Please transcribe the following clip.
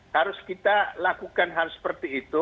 harus kita lakukan hal seperti itu